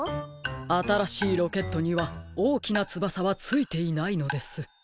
あたらしいロケットにはおおきなつばさはついていないのです。